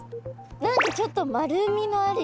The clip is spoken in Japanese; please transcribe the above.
何かちょっと丸みのあるような。